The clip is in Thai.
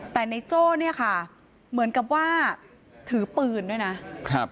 แต่ในโจ้ค่ะเหมือนกับว่าถือปืนด้วยนะ